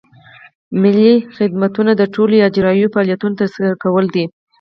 ملکي خدمتونه د ټولو اجرایوي فعالیتونو ترسره کول دي.